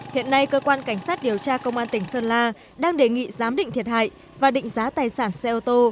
hiện nay cơ quan cảnh sát điều tra công an tỉnh sơn la đang đề nghị giám định thiệt hại và định giá tài sản xe ô tô